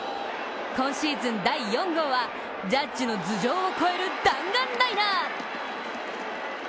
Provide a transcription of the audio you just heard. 今シーズン第４号はジャッジの頭上を越える弾丸ライナー。